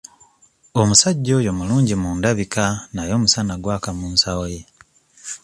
Omusajja oyo mulungi mu ndabika naye omusana gwaka mu nsawo ye.